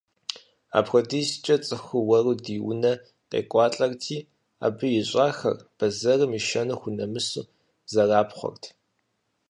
АпхуэдизкӀэ цӀыхур уэру ди унэ къекӀуалӀэрти, абы ищӀахэр, бэзэрым ишэну хунэмысу, зэрапхъуэрт.